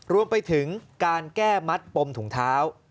รวมไปถึงการแก้มัดปมถุงเท้า